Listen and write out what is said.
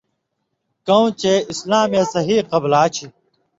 کؤں چے اسلامے صحیح قبلا چھی۔